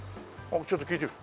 ちょっと聞いてくる。